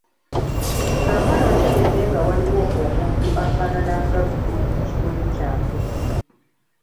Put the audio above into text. Kaakano ntegedde nga waliwo omuntu afaanana nga ggwe mu kitundu kyange.